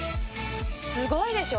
すごいでしょ？